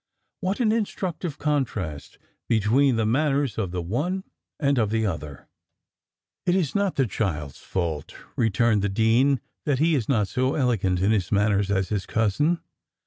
What an instructive contrast between the manners of the one and of the other!" "It is not the child's fault," returned the dean, "that he is not so elegant in his manners as his cousin.